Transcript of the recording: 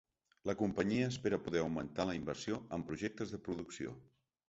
La companyia espera poder augmentar la inversió en projectes de producció.